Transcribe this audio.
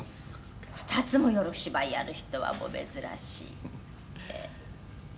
「２つも夜お芝居やる人は珍しいって」